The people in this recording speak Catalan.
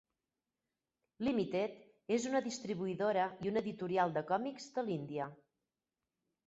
Limited és una distribuïdora i una editorial de còmics de l'Índia.